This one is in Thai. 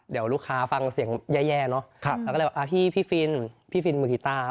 เดี๋ยวลูกค้าฟังเสียงแย่เนอะเราก็เลยบอกพี่ฟินพี่ฟินมือกีต้า